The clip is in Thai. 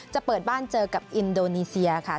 จะเปิดบ้านเจอกับอินโดนีเซียค่ะ